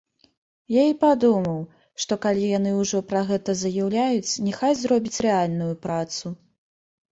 Я і падумаў, што, калі яны ўжо пра гэта заяўляюць, няхай зробяць рэальную працу.